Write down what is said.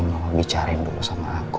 mama bicara dulu sama aku